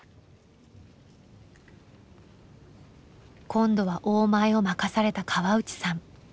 今度は「大前」を任された河内さん。